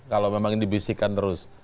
kalau memang dibisikkan terus